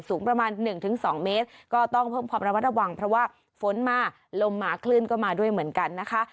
สูงประมาณ๑๒เมตรก็ต้องเพิ่มความระมัดระวังเพราะว่าฝนมาลมมาคลื่นก็มาด้วยเหมือนกันนะคะ